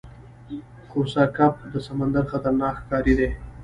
کوسه کب د سمندر خطرناک ښکاری دی